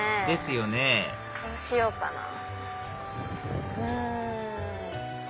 ですよねどうしようかなうん。